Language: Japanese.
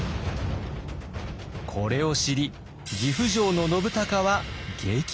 これを知り岐阜城の信孝は激怒。